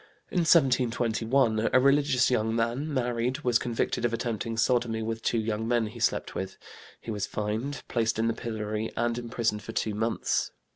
In 1721 a religious young man, married, was convicted of attempting sodomy with two young men he slept with; he was fined, placed in the pillory and imprisoned for two months.